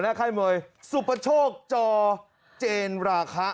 ไม่รู้อะไรดูมันหรอก